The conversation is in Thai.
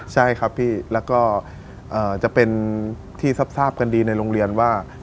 ใช่ครับพี่แล้วก็จะเป็นที่ทราบกันดีในโรงเรียนว่า